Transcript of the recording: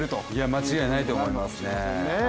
間違いないと思いますね。